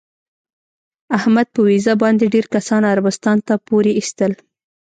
احمد په ویزه باندې ډېر کسان عربستان ته پورې ایستل.